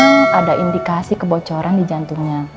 karena ada indikasi kebocoran di jantungnya